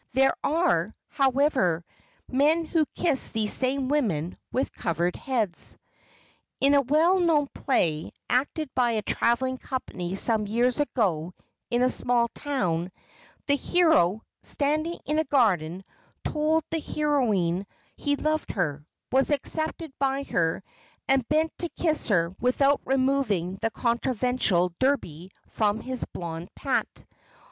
There are, however, men who kiss these same women with covered heads. In a well known play acted by a traveling company some years ago in a small town, the hero, standing in a garden, told the heroine he loved her, was accepted by her, and bent to kiss her without removing the conventional derby from his blond pate.